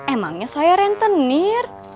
emangnya saya rentenir